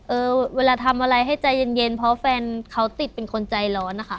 เออเวลาทำอะไรให้ใจเย็นเพราะแฟนเขาติดเป็นคนใจร้อนนะคะ